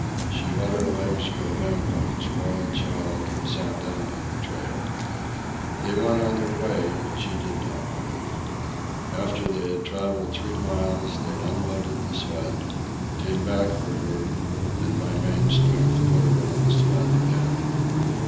She let her legs go limp like a spoiled child, and sat down on the trail. They went on their way, but she did not move. After they had travelled three miles they unloaded the sled, came back for her, and by main strength put her on the sled again.